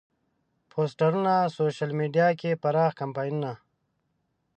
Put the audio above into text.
پوسترونه، سوشیل میډیا کې پراخ کمپاینونه.